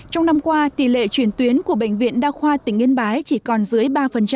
trong năm qua tỷ lệ chuyển tuyến của bệnh viện đa khoa tỉnh yên bái chỉ còn dưới ba